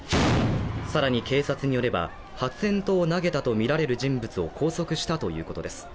さらに警察によれば、発煙筒を投げたとみられる人物を拘束したということです。